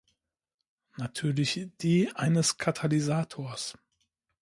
Natürlich die eines Katalysators.